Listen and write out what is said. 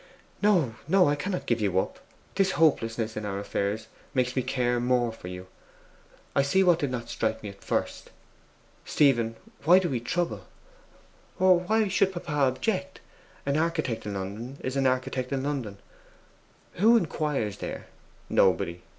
'No, no; I cannot give you up! This hopelessness in our affairs makes me care more for you....I see what did not strike me at first. Stephen, why do we trouble? Why should papa object? An architect in London is an architect in London. Who inquires there? Nobody.